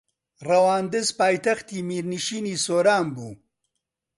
ڕەواندز پایتەختی میرنشینی سۆران بوو